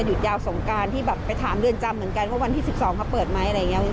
หยุดยาวสงกรานที่แบบไปถามเรื่องจำเหมือนกันว่าวันที่สิบสองเขาเปิดไหมอะไรอย่างเงี้ย